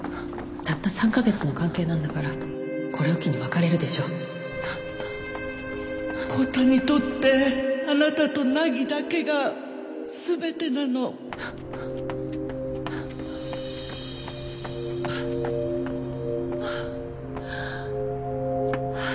たった３か月の関係なんだからこれを機に別れるでしょ昂太にとってあなたと凪だけハァ！ハァ。